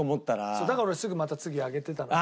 そうだから俺すぐまた次上げてたのよ。